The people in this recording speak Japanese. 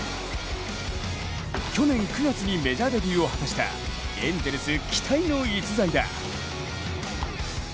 去年９月にメジャーデビューを果たしたエンゼルス期待の逸材だ。